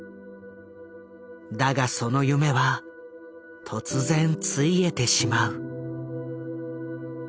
だがその夢は突然ついえてしまう。